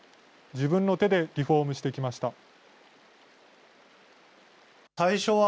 自分の手でリフォームしてきました。